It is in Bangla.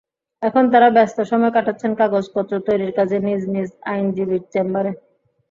এখন তাঁরা ব্যস্ত সময় কাটাচ্ছেন কাগজপত্র তৈরির কাজে নিজ নিজ আইনজীবীর চেম্বারে।